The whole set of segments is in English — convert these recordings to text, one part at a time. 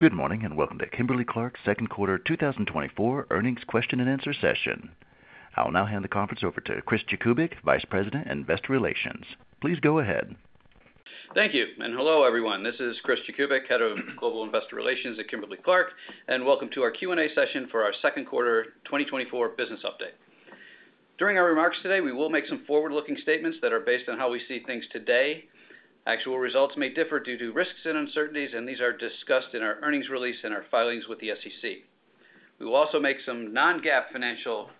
Good morning and welcome to Kimberly-Clark's second quarter 2024 earnings question and answer session. I'll now hand the conference over to Chris Jakubik, Vice President, Investor Relations. Please go ahead. Thank you. Hello, everyone. This is Chris Jakubik, Head of Global Investor Relations at Kimberly-Clark, and welcome to our Q&A session for our second quarter 2024 business update. During our remarks today, we will make some forward-looking statements that are based on how we see things today. Actual results may differ due to risks and uncertainties, and these are discussed in our earnings release and our filings with the SEC. We will also make some non-GAAP financial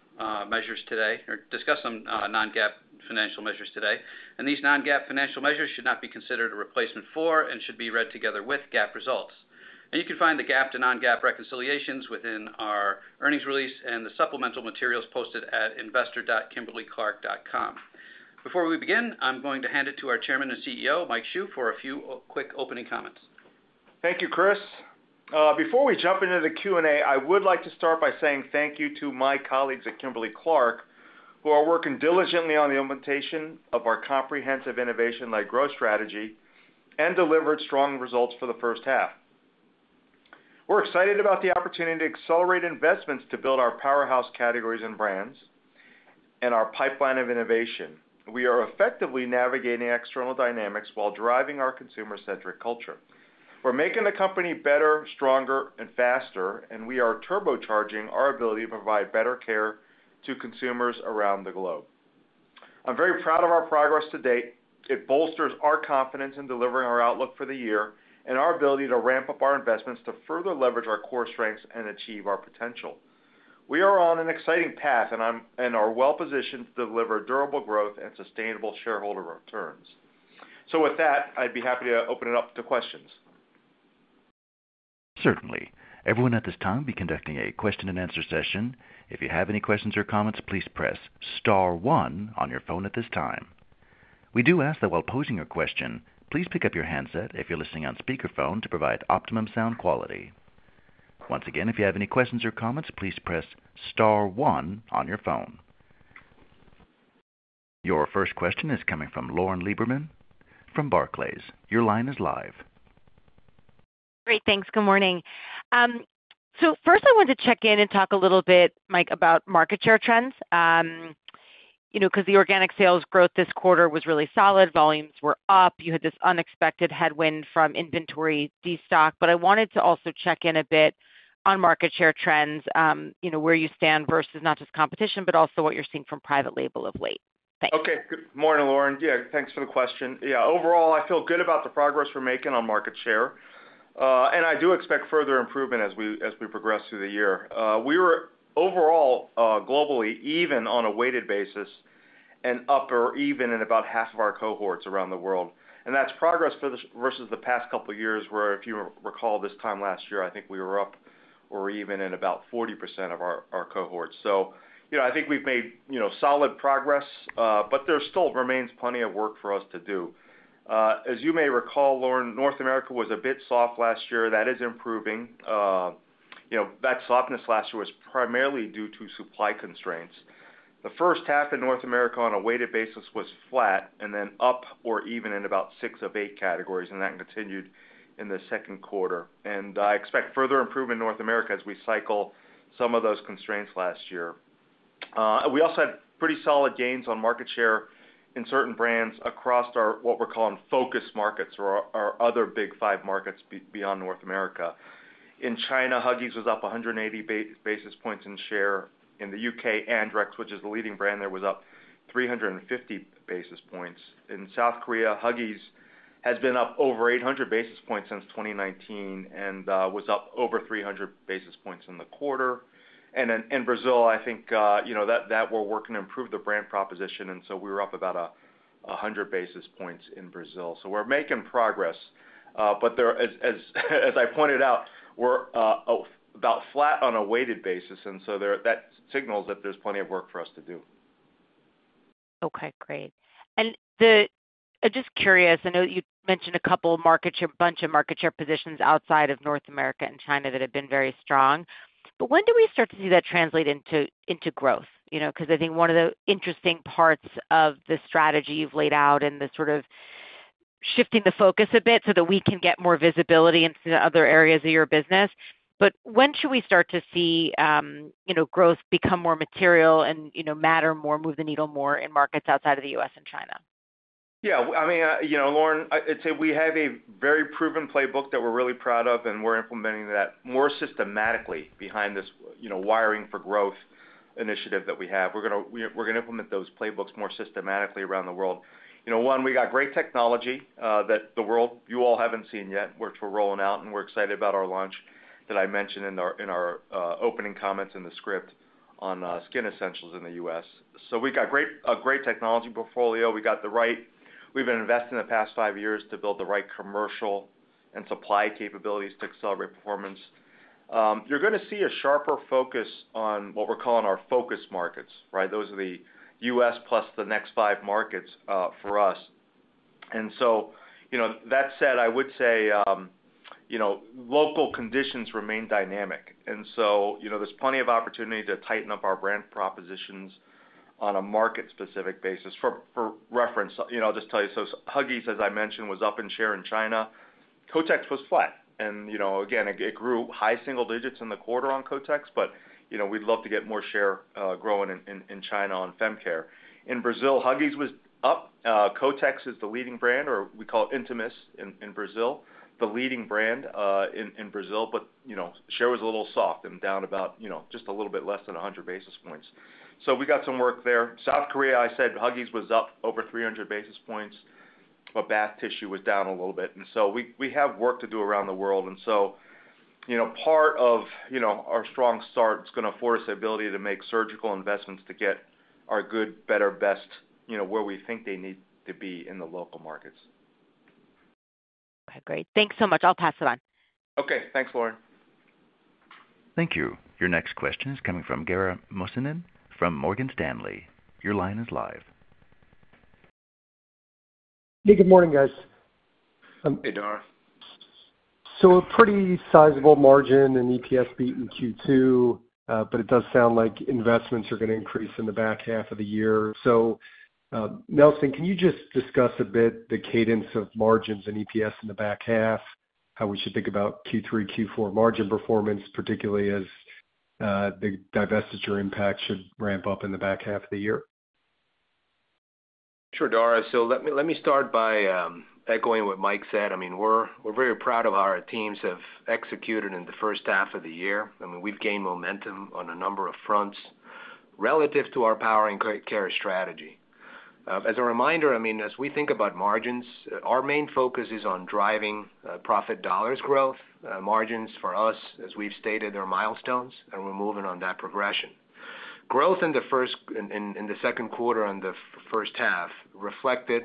measures today or discuss some non-GAAP financial measures today. These non-GAAP financial measures should not be considered a replacement for and should be read together with GAAP results. You can find the GAAP to non-GAAP reconciliations within our earnings release and the supplemental materials posted at investor.kimberlyclark.com. Before we begin, I'm going to hand it to our Chairman and CEO, Mike Hsu, for a few quick opening comments. Thank you, Chris. Before we jump into the Q&A, I would like to start by saying thank you to my colleagues at Kimberly-Clark, who are working diligently on the implementation of our comprehensive innovation-led growth strategy and delivered strong results for the first half. We're excited about the opportunity to accelerate investments to build our powerhouse categories and brands and our pipeline of innovation. We are effectively navigating external dynamics while driving our consumer-centric culture. We're making the company better, stronger, and faster, and we are turbocharging our ability to provide better care to consumers around the globe. I'm very proud of our progress to date. It bolsters our confidence in delivering our outlook for the year and our ability to ramp up our investments to further leverage our core strengths and achieve our potential. We are on an exciting path and are well-positioned to deliver durable growth and sustainable shareholder returns. So with that, I'd be happy to open it up to questions. Certainly. Everyone at this time will be conducting a question and answer session. If you have any questions or comments, please press star one on your phone at this time. We do ask that while posing your question, please pick up your handset if you're listening on speakerphone to provide optimum sound quality. Once again, if you have any questions or comments, please press star one on your phone. Your first question is coming from Lauren Lieberman from Barclays. Your line is live. Great. Thanks. Good morning. So first, I wanted to check in and talk a little bit, Mike, about market share trends because the organic sales growth this quarter was really solid. Volumes were up. You had this unexpected headwind from inventory destock. But I wanted to also check in a bit on market share trends, where you stand versus not just competition, but also what you're seeing from private label of late. Thanks. Okay. Good morning, Lauren. Yeah, thanks for the question. Yeah, overall, I feel good about the progress we're making on market share. I do expect further improvement as we progress through the year. We were overall, globally, even on a weighted basis and up or even in about half of our cohorts around the world. That's progress versus the past couple of years where, if you recall, this time last year, I think we were up or even in about 40% of our cohorts. So I think we've made solid progress, but there still remains plenty of work for us to do. As you may recall, Lauren, North America was a bit soft last year. That is improving. That softness last year was primarily due to supply constraints. The first half in North America on a weighted basis was flat and then up or even in about six of eight categories, and that continued in the second quarter. I expect further improvement in North America as we cycle some of those constraints last year. We also had pretty solid gains on market share in certain brands across what we're calling focus markets or other big five markets beyond North America. In China, Huggies was up 180 basis points in share. In the U.K., Andrex, which is the leading brand there, was up 350 basis points. In South Korea, Huggies has been up over 800 basis points since 2019 and was up over 300 basis points in the quarter. In Brazil, I think that we're working to improve the brand proposition. And so we were up about 100 basis points in Brazil. We're making progress. But as I pointed out, we're about flat on a weighted basis. And so that signals that there's plenty of work for us to do. Okay. Great. I'm just curious. I know you mentioned a couple of market share, a bunch of market share positions outside of North America and China that have been very strong. But when do we start to see that translate into growth? Because I think one of the interesting parts of the strategy you've laid out and the sort of shifting the focus a bit so that we can get more visibility into other areas of your business. But when should we start to see growth become more material and matter more, move the needle more in markets outside of the U.S. and China? Yeah. I mean, Lauren, I'd say we have a very proven playbook that we're really proud of, and we're implementing that more systematically behind this wiring for growth initiative that we have. We're going to implement those playbooks more systematically around the world. One, we got great technology that the world you all haven't seen yet, which we're rolling out, and we're excited about our launch that I mentioned in our opening comments in the script on Skin Essentials in the U.S. So we've got a great technology portfolio. We've got the right—we've been investing the past five years to build the right commercial and supply capabilities to accelerate performance. You're going to see a sharper focus on what we're calling our focus markets, right? Those are the U.S. plus the next five markets for us. And so that said, I would say local conditions remain dynamic. So there's plenty of opportunity to tighten up our brand propositions on a market-specific basis. For reference, I'll just tell you so Huggies, as I mentioned, was up in share in China. Kotex was flat. And again, it grew high single digits in the quarter on Kotex, but we'd love to get more share growing in China on Femcare. In Brazil, Huggies was up. Kotex is the leading brand, or we call it Intimus in Brazil, the leading brand in Brazil. But share was a little soft and down about just a little bit less than 100 basis points. So we got some work there. South Korea, I said Huggies was up over 300 basis points, but bath tissue was down a little bit. And so we have work to do around the world. And so part of our strong start is going to afford us the ability to make surgical investments to get our good, better, best where we think they need to be in the local markets. Okay. Great. Thanks so much. I'll pass it on. Okay. Thanks, Lauren. Thank you. Your next question is coming from Dara Mohsenian from Morgan Stanley. Your line is live. Hey, good morning, guys. Hey, Dara. So a pretty sizable margin and EPS beat in Q2, but it does sound like investments are going to increase in the back half of the year. So Nelson, can you just discuss a bit the cadence of margins and EPS in the back half, how we should think about Q3, Q4 margin performance, particularly as the divestiture impact should ramp up in the back half of the year? Sure, Dara. So let me start by echoing what Mike said. I mean, we're very proud of how our teams have executed in the first half of the year. I mean, we've gained momentum on a number of fronts relative to our Powering Care strategy. As a reminder, I mean, as we think about margins, our main focus is on driving profit dollars growth. Margins for us, as we've stated, are milestones, and we're moving on that progression. Growth in the second quarter and the first half reflected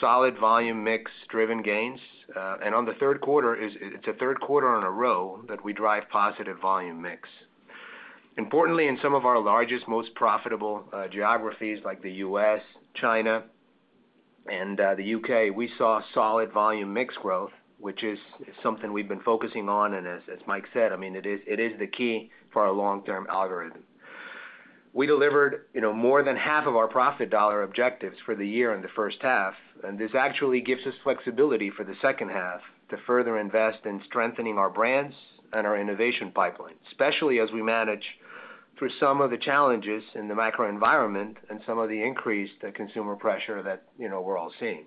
solid volume mix-driven gains. On the third quarter, it's a third quarter in a row that we drive positive volume mix. Importantly, in some of our largest, most profitable geographies like the U.S., China, and the U.K., we saw solid volume mix growth, which is something we've been focusing on. As Mike said, I mean, it is the key for our long-term algorithm. We delivered more than half of our profit dollar objectives for the year in the first half. This actually gives us flexibility for the second half to further invest in strengthening our brands and our innovation pipeline, especially as we manage through some of the challenges in the macro environment and some of the increased consumer pressure that we're all seeing.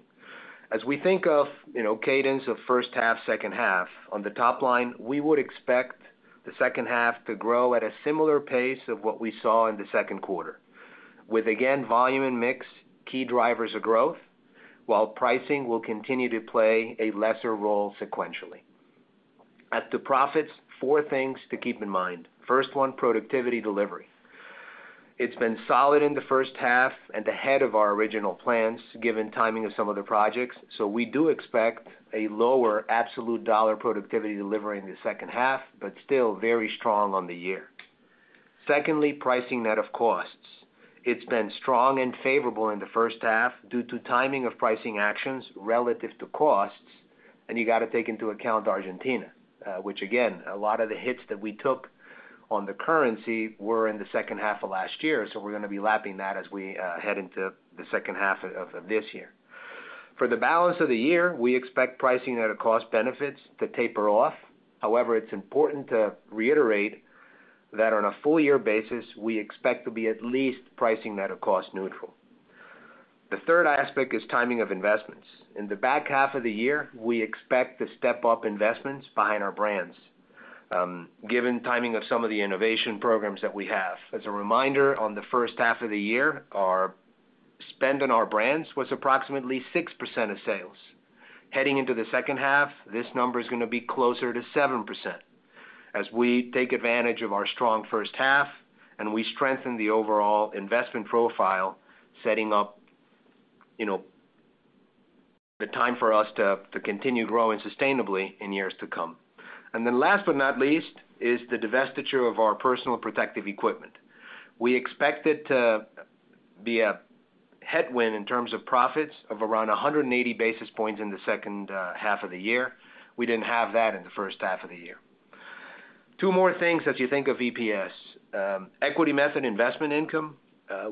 As we think of cadence of first half, second half, on the top line, we would expect the second half to grow at a similar pace of what we saw in the second quarter, with, again, volume and mix key drivers of growth, while pricing will continue to play a lesser role sequentially. At the profits, four things to keep in mind. First one, productivity delivery. It's been solid in the first half and ahead of our original plans given timing of some of the projects. So we do expect a lower absolute dollar productivity delivery in the second half, but still very strong on the year. Secondly, pricing net of costs. It's been strong and favorable in the first half due to timing of pricing actions relative to costs. And you got to take into account Argentina, which, again, a lot of the hits that we took on the currency were in the second half of last year. So we're going to be lapping that as we head into the second half of this year. For the balance of the year, we expect pricing net of cost benefits to taper off. However, it's important to reiterate that on a full-year basis, we expect to be at least pricing net of cost neutral. The third aspect is timing of investments. In the back half of the year, we expect to step up investments behind our brands, given timing of some of the innovation programs that we have. As a reminder, on the first half of the year, our spend on our brands was approximately 6% of sales. Heading into the second half, this number is going to be closer to 7% as we take advantage of our strong first half and we strengthen the overall investment profile, setting up the time for us to continue growing sustainably in years to come. And then last but not least is the divestiture of our personal protective equipment. We expect it to be a headwind in terms of profits of around 180 basis points in the second half of the year. We didn't have that in the first half of the year. Two more things as you think of EPS. Equity method investment income,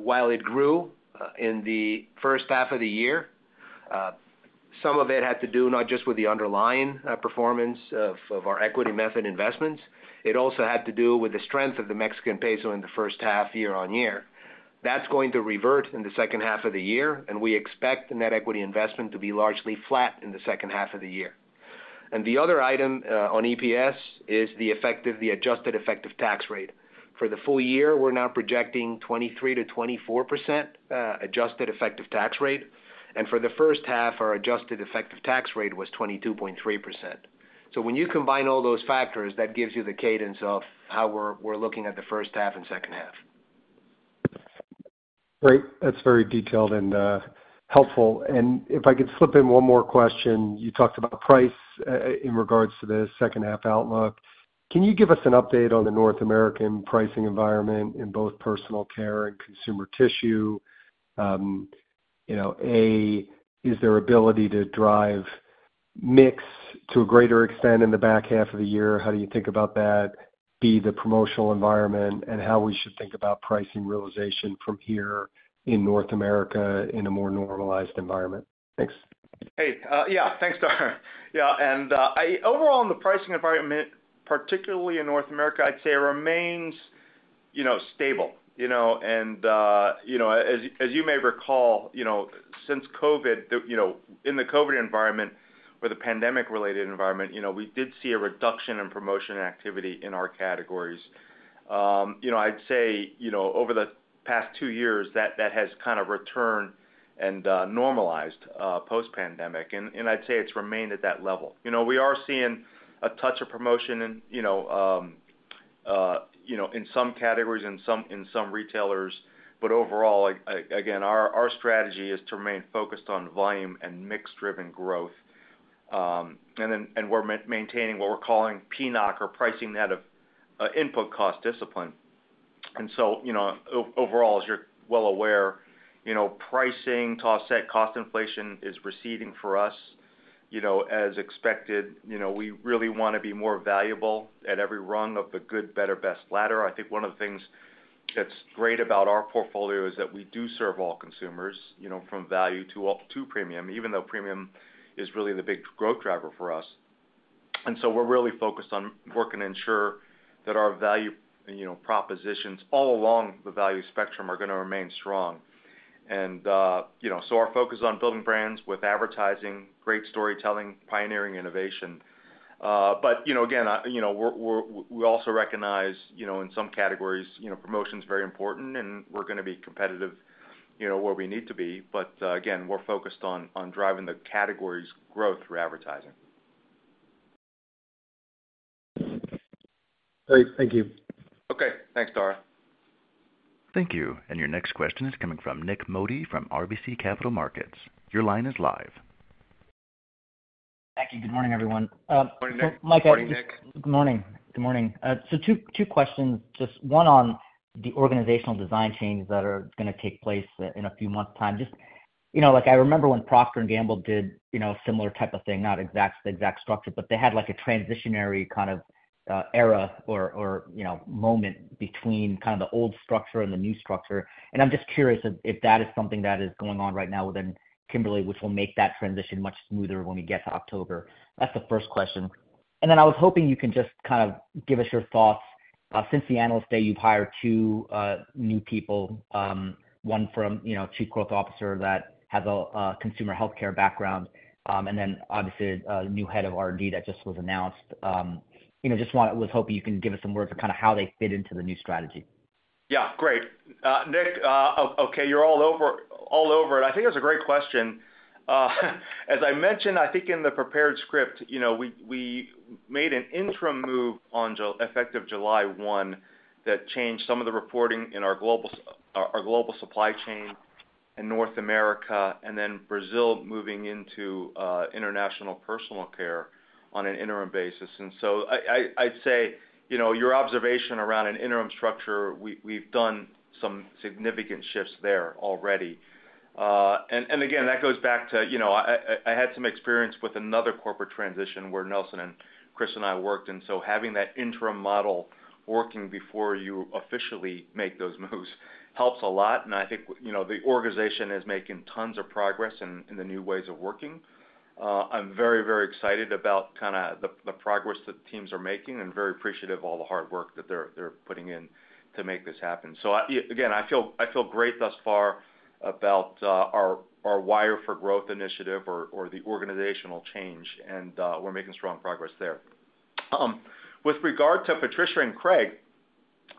while it grew in the first half of the year, some of it had to do not just with the underlying performance of our equity method investments. It also had to do with the strength of the Mexican peso in the first half year on year. That's going to revert in the second half of the year, and we expect the net equity investment to be largely flat in the second half of the year. And the other item on EPS is the adjusted effective tax rate. For the full year, we're now projecting 23%-24% adjusted effective tax rate. And for the first half, our adjusted effective tax rate was 22.3%. So when you combine all those factors, that gives you the cadence of how we're looking at the first half and second half. Great. That's very detailed and helpful. If I could slip in one more question, you talked about price in regards to the second-half outlook. Can you give us an update on the North American pricing environment in both personal care and consumer tissue? A, is there ability to drive mix to a greater extent in the back half of the year? How do you think about that? B, the promotional environment and how we should think about pricing realization from here in North America in a more normalized environment. Thanks. Hey. Yeah. Thanks, Dara. Yeah. Overall, in the pricing environment, particularly in North America, I'd say it remains stable. As you may recall, since COVID, in the COVID environment or the pandemic-related environment, we did see a reduction in promotion activity in our categories. I'd say over the past two years, that has kind of returned and normalized post-pandemic. I'd say it's remained at that level. We are seeing a touch of promotion in some categories and in some retailers. But overall, again, our strategy is to remain focused on volume and mix-driven growth. We're maintaining what we're calling PNOC or pricing net of input cost discipline. So overall, as you're well aware, pricing, cost inflation is receding for us as expected. We really want to be more valuable at every rung of the good, better, best ladder. I think one of the things that's great about our portfolio is that we do serve all consumers from value to premium, even though premium is really the big growth driver for us. And so we're really focused on working to ensure that our value propositions all along the value spectrum are going to remain strong. And so our focus is on building brands with advertising, great storytelling, pioneering innovation. But again, we also recognize in some categories, promotion is very important, and we're going to be competitive where we need to be. But again, we're focused on driving the categories' growth through advertising. Great. Thank you. Okay. Thanks, Dara. Thank you. Your next question is coming from Nik Modi from RBC Capital Markets. Your line is live. Thank you. Good morning, everyone. Good morning, Nik. So Mike, I think. Good morning. Good morning. So two questions, just one on the organizational design changes that are going to take place in a few months' time. Just I remember when Procter & Gamble did a similar type of thing, not the exact structure, but they had a transitionary kind of era or moment between kind of the old structure and the new structure. And I'm just curious if that is something that is going on right now within Kimberly, which will make that transition much smoother when we get to October. That's the first question. And then I was hoping you can just kind of give us your thoughts. Since the Analyst Day, you've hired two new people, one from Chief Growth Officer that has a consumer healthcare background, and then obviously a new Head of R&D that just was announced. Just was hoping you can give us some words on kind of how they fit into the new strategy? Yeah. Great. Nik, okay, you're all over it. I think that's a great question. As I mentioned, I think in the prepared script, we made an interim move effective July 1 that changed some of the reporting in our global supply chain in North America and then Brazil moving into international personal care on an interim basis. And so I'd say your observation around an interim structure, we've done some significant shifts there already. And again, that goes back to I had some experience with another corporate transition where Nelson and Chris and I worked. And so having that interim model working before you officially make those moves helps a lot. And I think the organization is making tons of progress in the new ways of working. I'm very, very excited about kind of the progress that teams are making and very appreciative of all the hard work that they're putting in to make this happen. So again, I feel great thus far about our Wire for Growth initiative or the organizational change. We're making strong progress there. With regard to Patricia and Craig,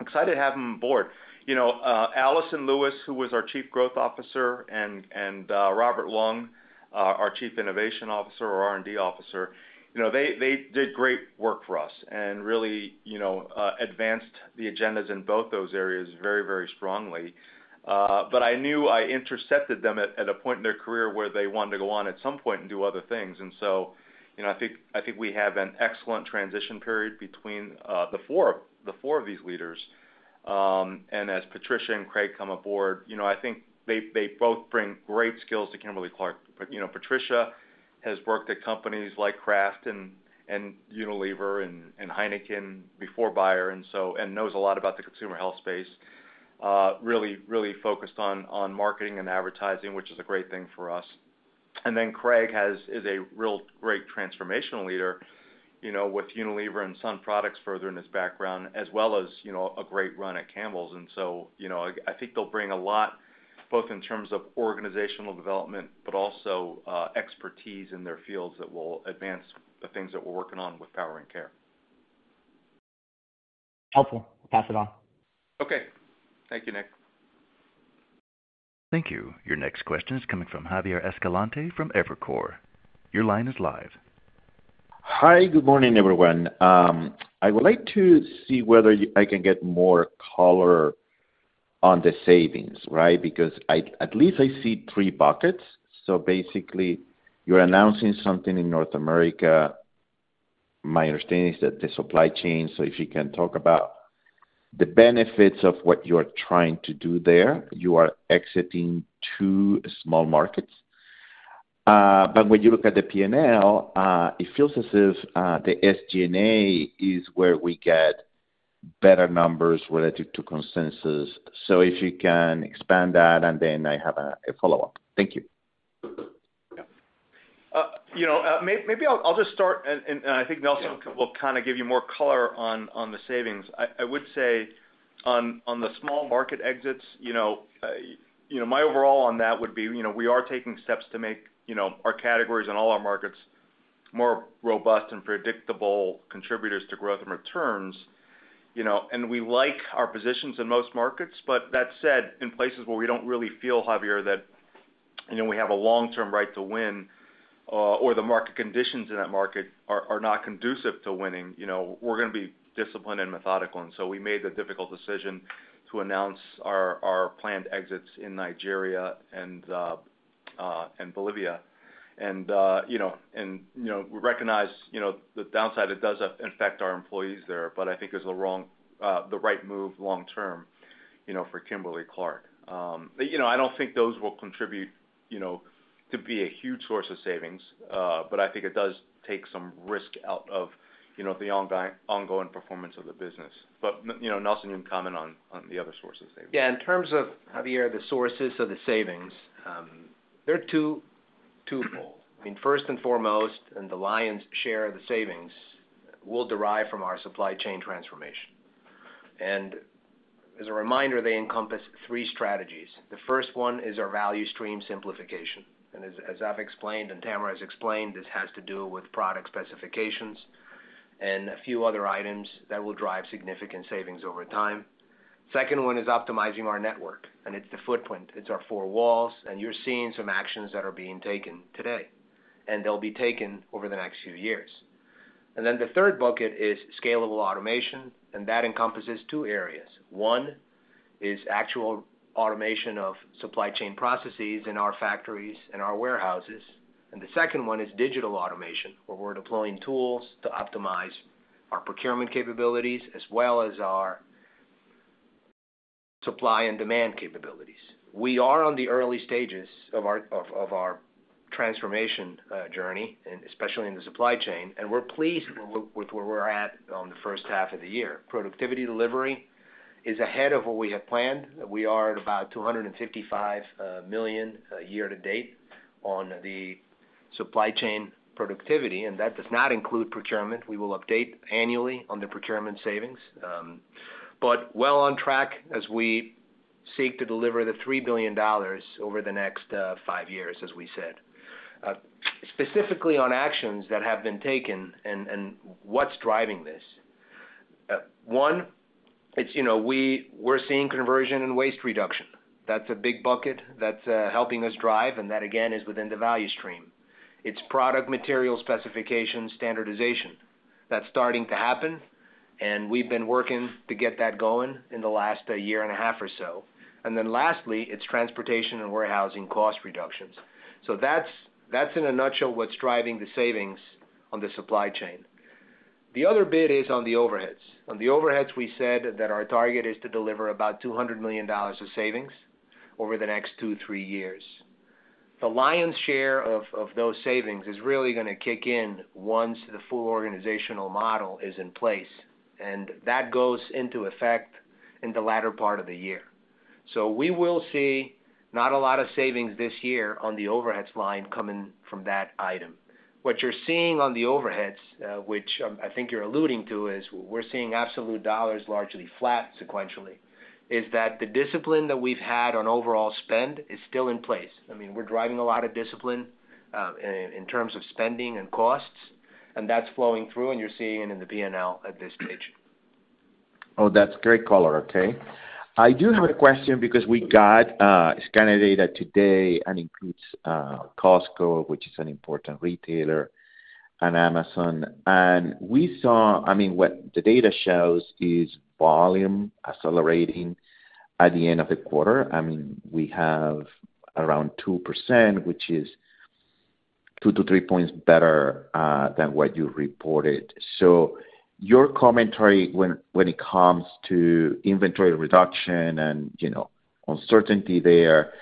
excited to have them on board. Alison Lewis, who was our Chief Growth Officer, and Robert Long, our Chief Innovation Officer or R&D Officer, they did great work for us and really advanced the agendas in both those areas very, very strongly. I knew I intercepted them at a point in their career where they wanted to go on at some point and do other things. So I think we have an excellent transition period between the four of these leaders. As Patricia and Craig come aboard, I think they both bring great skills to Kimberly-Clark. Patricia has worked at companies like Kraft and Unilever and Heineken before Bayer and knows a lot about the consumer health space, really focused on marketing and advertising, which is a great thing for us. Then Craig is a real great transformational leader with Unilever and Sun Products further in his background, as well as a great run at Campbell's. So I think they'll bring a lot both in terms of organizational development, but also expertise in their fields that will advance the things that we're working on with Powering Care. Helpful. I'll pass it on. Okay. Thank you, Nik. Thank you. Your next question is coming from Javier Escalante from Evercore. Your line is live. Hi. Good morning, everyone. I would like to see whether I can get more color on the savings, right? Because at least I see three buckets. So basically, you're announcing something in North America. My understanding is that the supply chain, so if you can talk about the benefits of what you're trying to do there, you are exiting two small markets. But when you look at the P&L, it feels as if the SG&A is where we get better numbers related to consensus. So if you can expand that, and then I have a follow-up. Thank you. Yeah. Maybe I'll just start, and I think Nelson will kind of give you more color on the savings. I would say on the small market exits, my overall on that would be we are taking steps to make our categories and all our markets more robust and predictable contributors to growth and returns. We like our positions in most markets. But that said, in places where we don't really feel, Javier, that we have a long-term right to win or the market conditions in that market are not conducive to winning, we're going to be disciplined and methodical. So we made the difficult decision to announce our planned exits in Nigeria and Bolivia. We recognize the downside. It does affect our employees there, but I think it's the right move long-term for Kimberly-Clark. I don't think those will contribute to be a huge source of savings, but I think it does take some risk out of the ongoing performance of the business. But Nelson, you can comment on the other sources of savings. Yeah. In terms of, Javier, the sources of the savings, they're twofold. I mean, first and foremost, and the lion's share of the savings will derive from our supply chain transformation. As a reminder, they encompass three strategies. The first one is our value stream simplification. And as I've explained and Tamera has explained, this has to do with product specifications and a few other items that will drive significant savings over time. The second one is optimizing our network. And it's the footprint. It's our four walls. And you're seeing some actions that are being taken today. And they'll be taken over the next few years. Then the third bucket is scalable automation. And that encompasses two areas. One is actual automation of supply chain processes in our factories and our warehouses. And the second one is digital automation, where we're deploying tools to optimize our procurement capabilities as well as our supply and demand capabilities. We are on the early stages of our transformation journey, especially in the supply chain. And we're pleased with where we're at on the first half of the year. Productivity delivery is ahead of what we had planned. We are at about $255 million year to date on the supply chain productivity. And that does not include procurement. We will update annually on the procurement savings. But well on track as we seek to deliver the $3 billion over the next five years, as we said. Specifically on actions that have been taken and what's driving this. One, we're seeing conversion and waste reduction. That's a big bucket that's helping us drive. And that, again, is within the value stream. It's product material specification standardization. That's starting to happen. We've been working to get that going in the last year and a half or so. Then lastly, it's transportation and warehousing cost reductions. That's, in a nutshell, what's driving the savings on the supply chain. The other bit is on the overheads. On the overheads, we said that our target is to deliver about $200 million of savings over the next two, three years. The lion's share of those savings is really going to kick in once the full organizational model is in place. That goes into effect in the latter part of the year. We will see not a lot of savings this year on the overheads line coming from that item. What you're seeing on the overheads, which I think you're alluding to, is we're seeing absolute dollars largely flat sequentially. Is that the discipline that we've had on overall spend is still in place? I mean, we're driving a lot of discipline in terms of spending and costs. That's flowing through. You're seeing it in the P&L at this stage. Oh, that's great color. Okay. I do have a question because we got data today that includes Costco, which is an important retailer, and Amazon. And I mean, what the data shows is volume accelerating at the end of the quarter. I mean, we have around 2%, which is 2-3 points better than what you reported. So your commentary when it comes to inventory reduction and uncertainty there.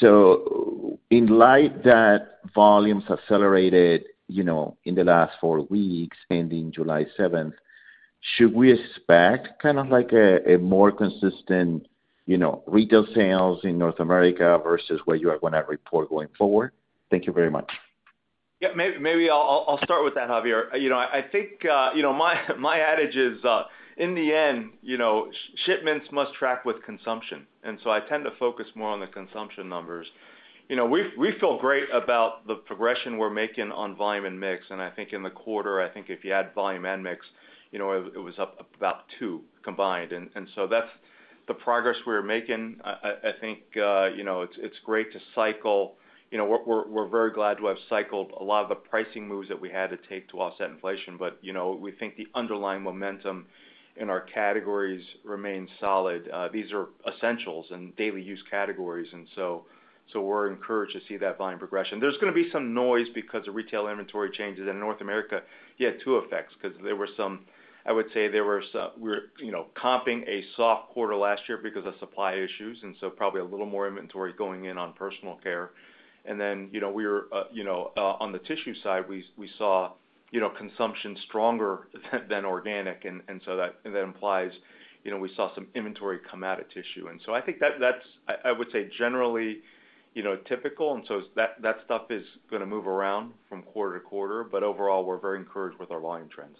So in light of that volumes accelerated in the last four weeks, ending July 7th, should we expect kind of a more consistent retail sales in North America versus what you are going to report going forward? Thank you very much. Yeah. Maybe I'll start with that, Javier. I think my adage is, in the end, shipments must track with consumption. And so I tend to focus more on the consumption numbers. We feel great about the progression we're making on volume and mix. And I think in the quarter, I think if you add volume and mix, it was up about 2 combined. And so that's the progress we're making. I think it's great to cycle. We're very glad to have cycled a lot of the pricing moves that we had to take to offset inflation. But we think the underlying momentum in our categories remains solid. These are essentials and daily use categories. And so we're encouraged to see that volume progression. There's going to be some noise because of retail inventory changes. In North America, you had two effects because there were some, I would say, there were some we were comping a soft quarter last year because of supply issues. So probably a little more inventory going in on personal care. And then, on the tissue side, we saw consumption stronger than organic. So that implies we saw some inventory come out of tissue. So I think that's, I would say, generally typical. So that stuff is going to move around from quarter-to-quarter. But overall, we're very encouraged with our volume trends.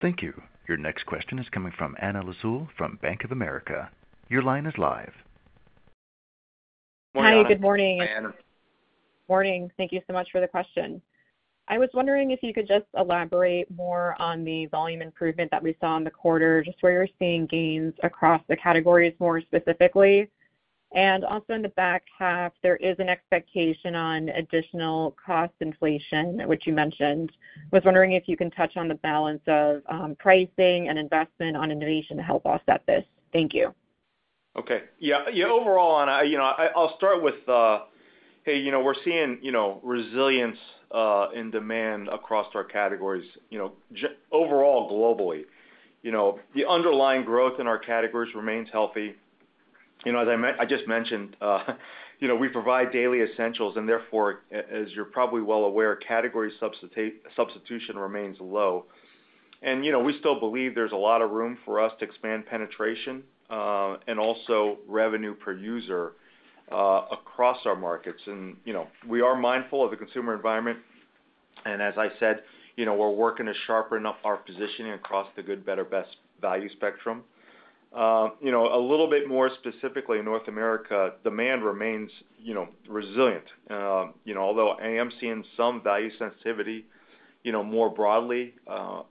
Thank you. Your next question is coming from Anna Lizzul from Bank of America. Your line is live. Hi. Good morning. Hi, Anna. Morning. Thank you so much for the question. I was wondering if you could just elaborate more on the volume improvement that we saw in the quarter, just where you're seeing gains across the categories more specifically. And also in the back half, there is an expectation on additional cost inflation, which you mentioned. I was wondering if you can touch on the balance of pricing and investment on innovation to help offset this. Thank you. Okay. Yeah. Yeah. Overall, Anna, I'll start with, hey, we're seeing resilience in demand across our categories overall globally. The underlying growth in our categories remains healthy. As I just mentioned, we provide daily essentials. And therefore, as you're probably well aware, category substitution remains low. And we still believe there's a lot of room for us to expand penetration and also revenue per user across our markets. And we are mindful of the consumer environment. And as I said, we're working to sharpen up our positioning across the good, better, best value spectrum. A little bit more specifically, in North America, demand remains resilient. Although I am seeing some value sensitivity more broadly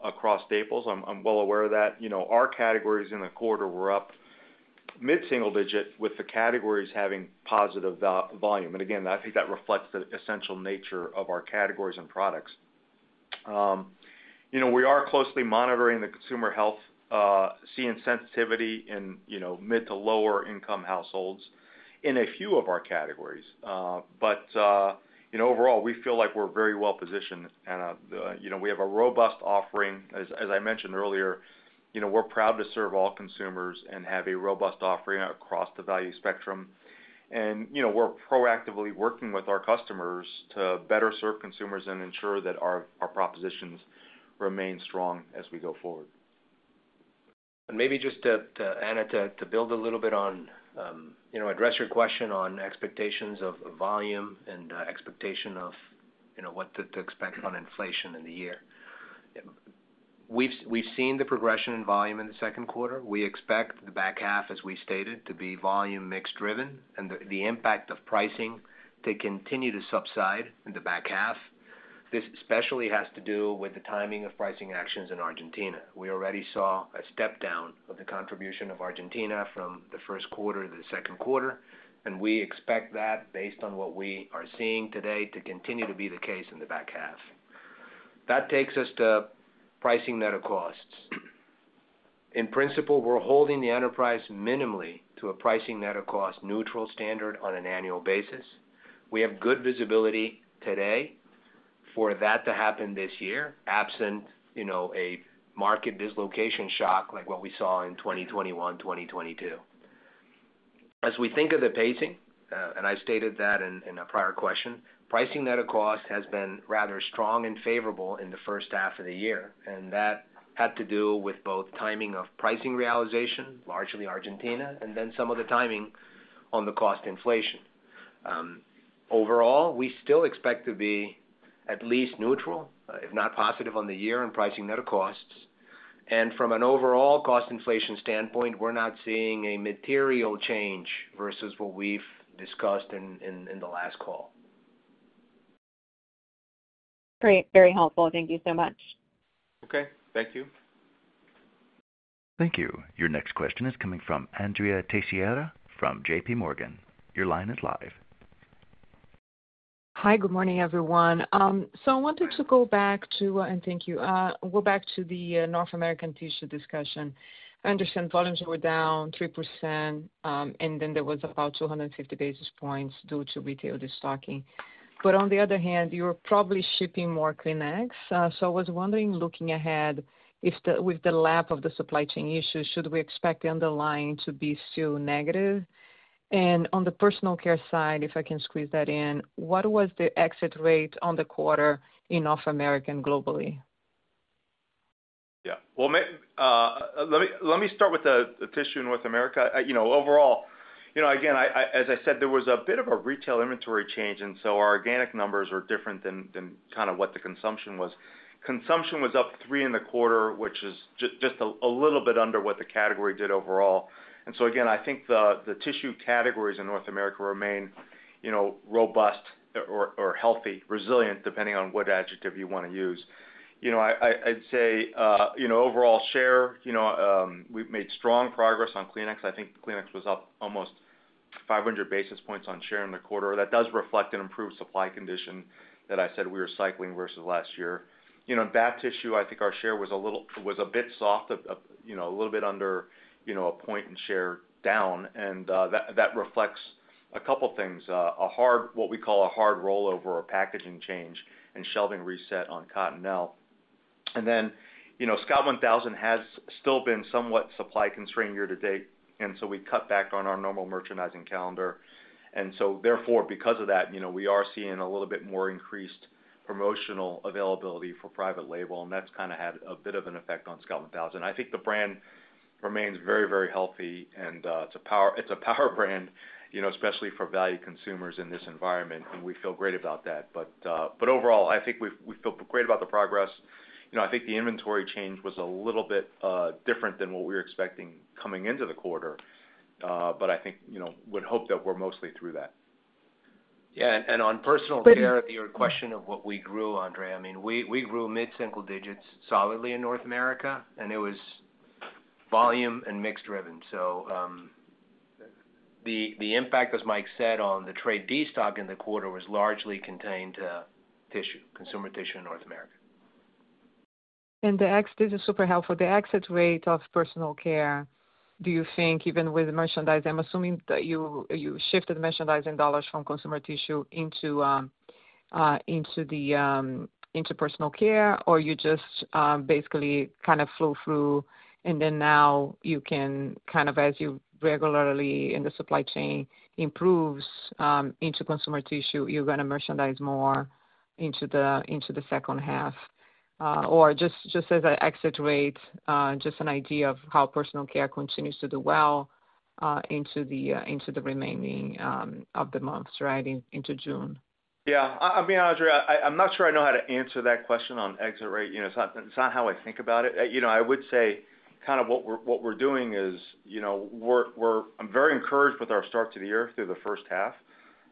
across staples, I'm well aware of that. Our categories in the quarter were up mid-single digit, with the categories having positive volume. And again, I think that reflects the essential nature of our categories and products. We are closely monitoring the consumer health, seeing sensitivity in mid- to lower-income households in a few of our categories. But overall, we feel like we're very well positioned. And we have a robust offering. As I mentioned earlier, we're proud to serve all consumers and have a robust offering across the value spectrum. And we're proactively working with our customers to better serve consumers and ensure that our propositions remain strong as we go forward. And maybe just to, Anna, to build a little bit on, address your question on expectations of volume and expectation of what to expect on inflation in the year. We've seen the progression in volume in the second quarter. We expect the back half, as we stated, to be volume mix driven and the impact of pricing to continue to subside in the back half. This especially has to do with the timing of pricing actions in Argentina. We already saw a step down of the contribution of Argentina from the first quarter to the second quarter. And we expect that, based on what we are seeing today, to continue to be the case in the back half. That takes us to pricing net of costs. In principle, we're holding the enterprise minimally to a pricing net of cost neutral standard on an annual basis. We have good visibility today for that to happen this year, absent a market dislocation shock like what we saw in 2021, 2022. As we think of the pacing, and I stated that in a prior question, pricing net of cost has been rather strong and favorable in the first half of the year. That had to do with both timing of pricing realization, largely Argentina, and then some of the timing on the cost inflation. Overall, we still expect to be at least neutral, if not positive, on the year in pricing net of costs. From an overall cost inflation standpoint, we're not seeing a material change versus what we've discussed in the last call. Great. Very helpful. Thank you so much. Okay. Thank you. Thank you. Your next question is coming from Andrea Teixeira from J.P. Morgan. Your line is live. Hi. Good morning, everyone. So I wanted to go back to—and thank you—go back to the North American tissue discussion. I understand volumes were down 3%, and then there was about 250 basis points due to retail destocking. But on the other hand, you're probably shipping more Kleenex. So I was wondering, looking ahead, with the lap of the supply chain issues, should we expect the underlying to be still negative? And on the personal care side, if I can squeeze that in, what was the exit rate on the quarter in North America and globally? Yeah. Well, let me start with the tissue in North America. Overall, again, as I said, there was a bit of a retail inventory change. And so our organic numbers are different than kind of what the consumption was. Consumption was up 3.25, which is just a little bit under what the category did overall. And so again, I think the tissue categories in North America remain robust or healthy, resilient, depending on what adjective you want to use. I'd say overall share, we've made strong progress on Kleenex. I think Kleenex was up almost 500 basis points on share in the quarter. That does reflect an improved supply condition that I said we were cycling versus last year. In bath tissue, I think our share was a bit soft, a little bit under 1 point in share down. That reflects a couple of things, what we call a hard rollover or packaging change and shelving reset on Cottonelle. Now, Scott 1000 has still been somewhat supply constrained year to date. So we cut back on our normal merchandising calendar. Therefore, because of that, we are seeing a little bit more increased promotional availability for private label. And that's kind of had a bit of an effect on Scott 1000. I think the brand remains very, very healthy. And it's a power brand, especially for value consumers in this environment. And we feel great about that. But overall, I think we feel great about the progress. I think the inventory change was a little bit different than what we were expecting coming into the quarter. But I think we'd hope that we're mostly through that. Yeah. And on personal care, your question of what we grew, Andrea, I mean, we grew mid-single digits solidly in North America. And it was volume and mix driven. So the impact, as Mike said, on the trade destock in the quarter was largely contained to tissue, consumer tissue in North America. And the exit is super helpful. The exit rate of personal care, do you think, even with merchandising, I'm assuming that you shifted merchandising dollars from consumer tissue into the personal care, or you just basically kind of flew through? And then now you can kind of, as the regularity in the supply chain improves into consumer tissue, you're going to merchandise more into the second half? Or just as an exit rate, just an idea of how personal care continues to do well into the remaining of the months, right, into June? Yeah. I mean, Andrea, I'm not sure I know how to answer that question on exit rate. It's not how I think about it. I would say kind of what we're doing is I'm very encouraged with our start to the year through the first half.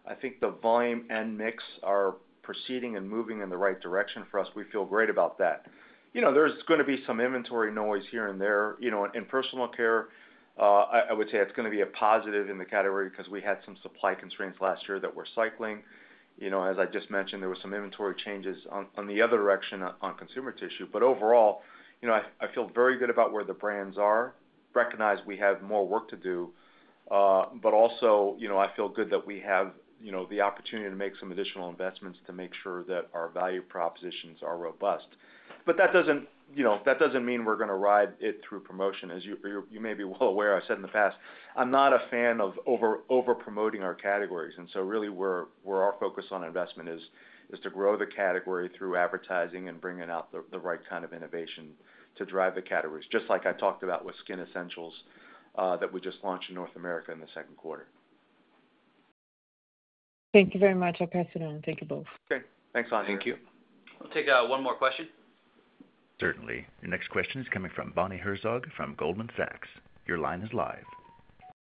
I think the volume and mix are proceeding and moving in the right direction for us. We feel great about that. There's going to be some inventory noise here and there. In personal care, I would say it's going to be a positive in the category because we had some supply constraints last year that we're cycling. As I just mentioned, there were some inventory changes on the other direction on consumer tissue. But overall, I feel very good about where the brands are. Recognize we have more work to do. But also, I feel good that we have the opportunity to make some additional investments to make sure that our value propositions are robust. But that doesn't mean we're going to ride it through promotion. As you may be well aware, I've said in the past, I'm not a fan of over-promoting our categories. And so really, where our focus on investment is to grow the category through advertising and bringing out the right kind of innovation to drive the categories, just like I talked about with Skin Essentials that we just launched in North America in the second quarter. Thank you very much, I'll pass it on. Thank you both. Okay. Thanks, Anna. Thank you. I'll take one more question. Certainly. Your next question is coming from Bonnie Herzog from Goldman Sachs. Your line is live.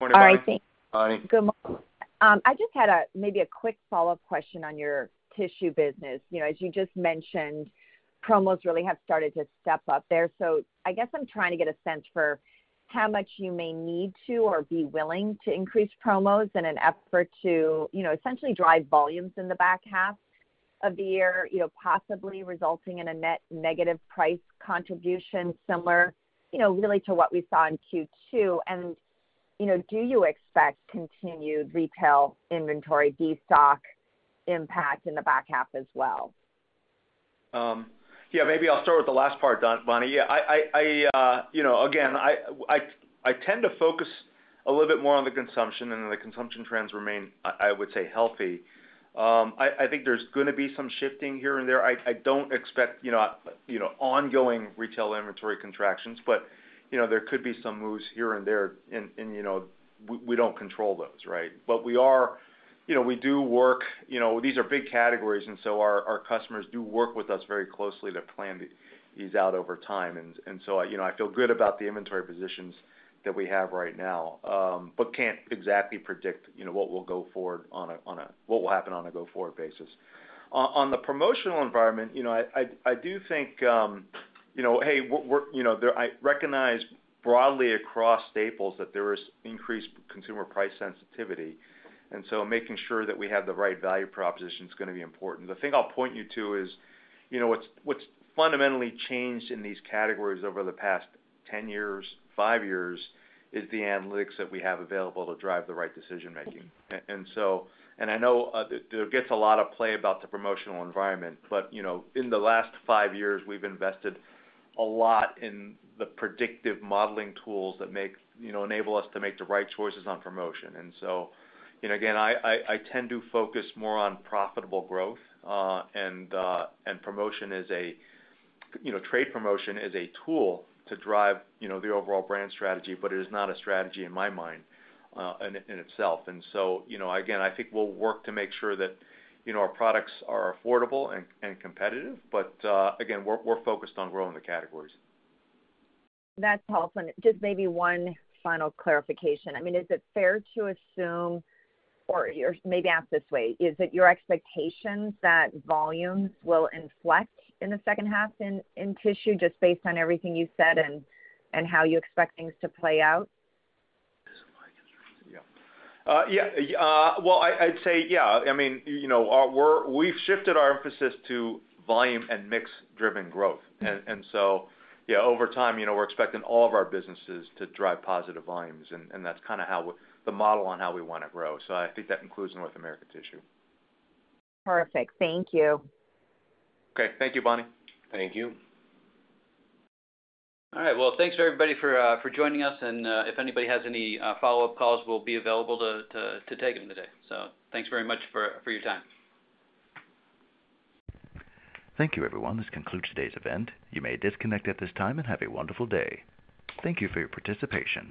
Hi. Thanks. Bonnie. Good morning. I just had maybe a quick follow-up question on your tissue business. As you just mentioned, promos really have started to step up there. I guess I'm trying to get a sense for how much you may need to or be willing to increase promos in an effort to essentially drive volumes in the back half of the year, possibly resulting in a net negative price contribution similar really to what we saw in Q2. Do you expect continued retail inventory destock impact in the back half as well? Yeah. Maybe I'll start with the last part, Bonnie. Yeah. Again, I tend to focus a little bit more on the consumption, and the consumption trends remain, I would say, healthy. I think there's going to be some shifting here and there. I don't expect ongoing retail inventory contractions, but there could be some moves here and there. And we don't control those, right? But we do work. These are big categories. And so our customers do work with us very closely to plan these out over time. And so I feel good about the inventory positions that we have right now, but can't exactly predict what will go forward on a what will happen on a go-forward basis. On the promotional environment, I do think, hey, I recognize broadly across staples that there is increased consumer price sensitivity. Making sure that we have the right value proposition is going to be important. The thing I'll point you to is what's fundamentally changed in these categories over the past 10 years, five years is the analytics that we have available to drive the right decision-making. And I know there gets a lot of play about the promotional environment. But in the last five years, we've invested a lot in the predictive modeling tools that enable us to make the right choices on promotion. And so again, I tend to focus more on profitable growth. And promotion, trade promotion, is a tool to drive the overall brand strategy, but it is not a strategy in my mind in itself. And so again, I think we'll work to make sure that our products are affordable and competitive. But again, we're focused on growing the categories. That's helpful. And just maybe one final clarification. I mean, is it fair to assume or maybe ask this way: is it your expectation that volumes will inflect in the second half in tissue just based on everything you said and how you expect things to play out? Yeah. Well, I'd say, yeah. I mean, we've shifted our emphasis to volume and mix-driven growth. And so yeah, over time, we're expecting all of our businesses to drive positive volumes. And that's kind of the model on how we want to grow. So I think that includes North America tissue. Perfect. Thank you. Okay. Thank you, Bonnie. Thank you. All right. Well, thanks for everybody for joining us. If anybody has any follow-up calls, we'll be available to take them today. Thanks very much for your time. Thank you, everyone. This concludes today's event. You may disconnect at this time and have a wonderful day. Thank you for your participation.